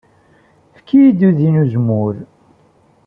Efk-iyi-d udi n uzemmur.